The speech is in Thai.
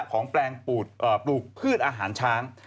ของแปลงปูดอ่าปลูกพืชอาหารช้างอืม